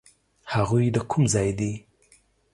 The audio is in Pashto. هغوی د کوم ځای دي؟